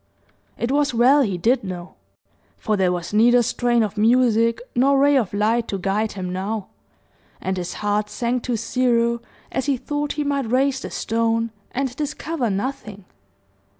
It was well he did know; for there was neither strain of music nor ray of light to guide him now; and his heart sank to zero as he thought he might raise the stone and discover nothing.